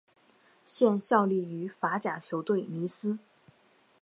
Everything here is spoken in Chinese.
现效力于法甲球队尼斯。